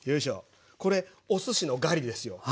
これおすしのガリですよ。